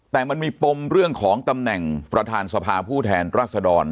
แต่มันมีปมเรื่องของตำแหน่งประธานสภาผู้แทนรัศดร